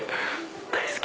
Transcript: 大好き！